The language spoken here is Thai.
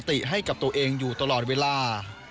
คอยเตือนสติให้กับตัวเองอยู่ตลอดเวลา